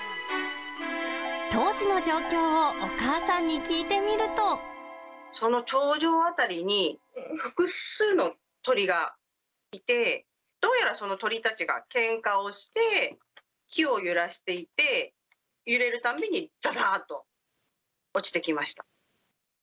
当時の状況をお母さんに聞いその頂上辺りに、複数の鳥がいて、どうやらその鳥たちがけんかをして、木を揺らしていて、揺れるたんびに、ざざーっと落ちてきました。